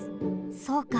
そうか。